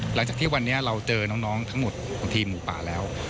หลังจากที่วันนี้เราเจอน้องทั้งหมดของทีมหมูป่าแล้ว